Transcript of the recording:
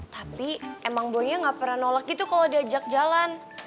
tapi emang boynya gak pernah nolak gitu kalau diajak jalan